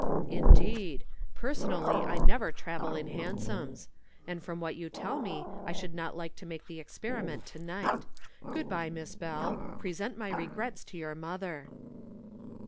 "Indeed! Personally I never travel in hansoms. And from what you tell me I should not like to make the experiment to night. Good bye, Miss Bell; present my regrets to your mother."